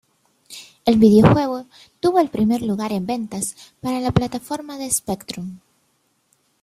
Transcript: El videojuego tuvo el primer lugar en ventas para la plataforma de Spectrum.